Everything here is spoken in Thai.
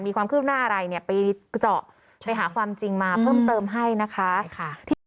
มีความคืบหน้าอะไรเนี่ยไปเจาะไปหาความจริงมาเพิ่มเติมให้นะคะ